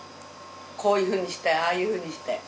こういうふうにしたいああいうふうにしたい。